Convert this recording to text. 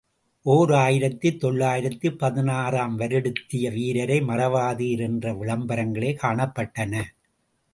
ஓர் ஆயிரத்து தொள்ளாயிரத்து பதினாறு ஆம் வருடத்திய வீரரை மறவாதீர் என்ற விளம்பரங்களே காணப்பட்டன.